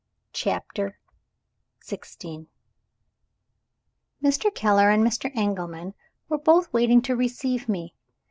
CHAPTER XVI Mr. Keller and Mr. Engelman were both waiting to receive me.